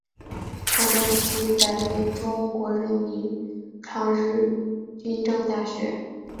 抗战时期改为中国人民抗日军政大学。